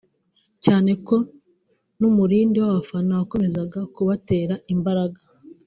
cyane ko n’umurindi w’abafana wakomezaga kubatera imbaraga